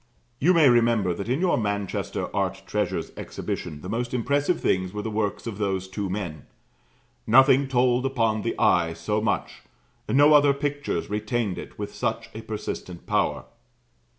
You may remember that in your Manchester Art Treasures Exhibition the most impressive things were the works of those two men nothing told upon the eye so much; no other pictures retained it with such a persistent power.